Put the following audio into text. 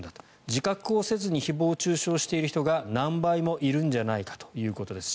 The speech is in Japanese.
自覚をせずに誹謗・中傷している人が何倍もいるんじゃないかということです。